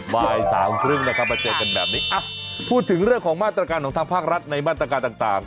บ่ายสามครึ่งนะครับมาเจอกันแบบนี้พูดถึงเรื่องของมาตรการของทางภาครัฐในมาตรการต่าง